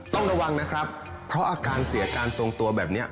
ต้องระวังนะครับเพราะอาการเสียการทรงตัวแบบนี้